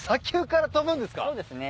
そうですね。